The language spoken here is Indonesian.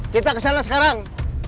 kita kesana sekarang